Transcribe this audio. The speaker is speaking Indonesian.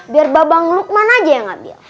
biar babang lukman aja ya gak biar